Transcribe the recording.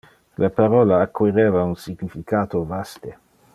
Le parola acquireva un significato vaste.